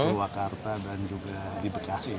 di wakarta dan juga di bekasi